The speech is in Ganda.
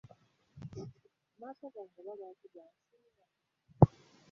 Amaaso gange oba lwaki gansiiwa?